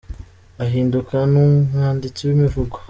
ahinduka umwanditsi w’imivugo.